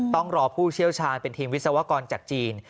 ต้องรอผู้เชี่ยวชาญเป็นทีมวิศวกรจากจีน